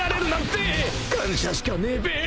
［感謝しかねえべ］